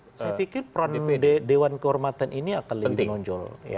saya pikir peran dewan kehormatan ini akan lebih menonjol